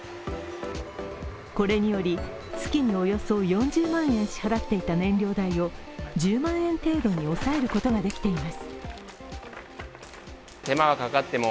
これにより、月におよそ４０万円支払っていた燃料材料と１０万円程度に抑えることができています。